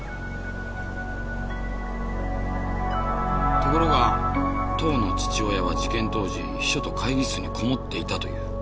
ところが当の父親は事件当時秘書と会議室にこもっていたと言う。